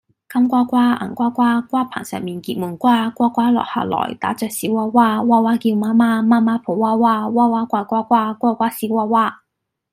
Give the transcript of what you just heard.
金瓜瓜，銀瓜瓜，瓜棚上面結滿瓜。瓜瓜落下來，打着小娃娃；娃娃叫媽媽，媽媽抱娃娃；娃娃怪瓜瓜，瓜瓜笑娃娃